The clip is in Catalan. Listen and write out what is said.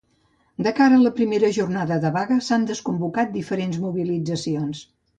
De cara a la primera jornada de vaga s'han desconvocat diferents mobilitzacions.